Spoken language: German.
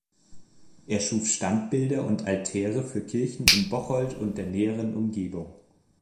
Er schuf Standbilder und Altäre für Kirchen in Bocholt und der näheren Umgebung.